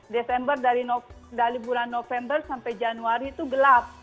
desember dari bulan november sampai januari itu gelap